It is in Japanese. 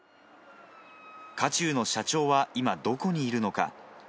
渦中の社長は今、どこにいるのか。